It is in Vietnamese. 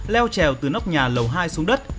leo trèo từ nóc nhà lầu hai xuống đất